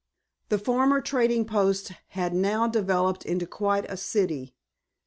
The former trading post had now developed into quite a city.